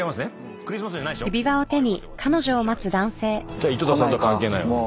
じゃあ井戸田さんと関係ないわ。